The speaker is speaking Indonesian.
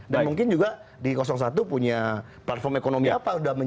dan mungkin juga di kosong satu punya platform ekonomi apa yang sudah menjalankannya